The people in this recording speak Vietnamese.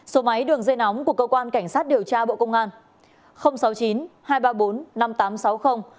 số máy đường dây nóng của cơ quan cảnh sát điều tra bộ công an